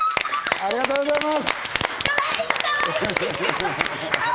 ありがとうございます。